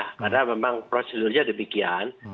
karena memang prosedurnya demikian